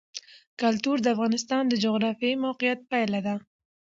کلتور د افغانستان د جغرافیایي موقیعت پایله ده.